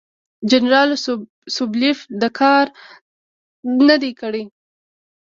جنرال سوبولیف دا کار نه دی کړی.